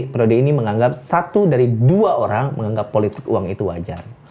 periode ini menganggap satu dari dua orang menganggap politik uang itu wajar